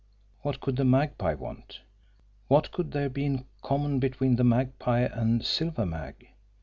What could the Magpie want? What could there be in common between the Magpie and Silver Mag?